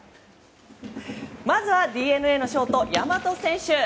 まずはＤｅＮＡのショート大和選手。